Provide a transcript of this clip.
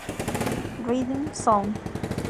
Rhythm Zone